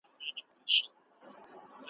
چي د كوم يوه دښمن د چا پر خوا سي `